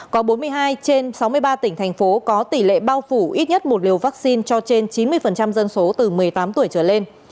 có bốn mươi hai trên sáu mươi ba tỉnh thành phố có tỷ lệ bao phủ ít nhất một liều vaccine cho trên chín mươi dân số từ một mươi tám tuổi trở lên